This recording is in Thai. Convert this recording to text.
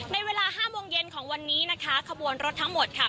ในเวลา๕โมงเย็นของวันนี้นะคะขบวนรถทั้งหมดค่ะ